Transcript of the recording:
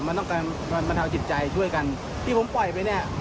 มันต้องการบรรเทาจิตใจช่วยกันที่ผมปล่อยไปเนี่ย